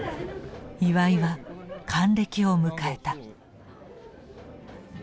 岩井は還暦を迎えた。